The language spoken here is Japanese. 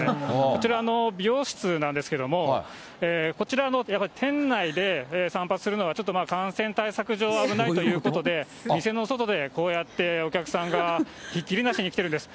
こちら美容室なんですけれども、こちらの店内で散髪するのがちょっと感染対策上、危ないということで、店の外で、こうやってお客さんがひっきりなしに来ているんです。